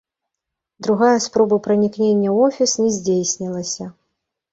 Другая спроба пранікнення ў офіс не здзейснілася.